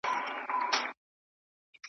زورور غل په خپل کلي کي غلا نه کوي